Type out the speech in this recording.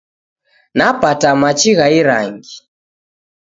Napata machi gha irangi.